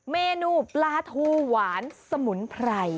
เมนูปลาทูหวานสมุนไพร